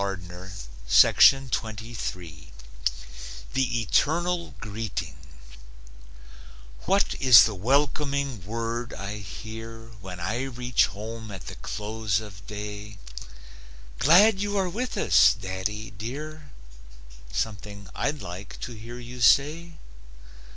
THE ETERNAL GREETING What is the welcoming word I hear When I reach home at the close of day? "Glad you are with us, daddy, dear?" Something I'd like to hear you say?